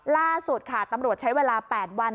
ล่าสุดค่ะตำรวจใช้เวลา๘วัน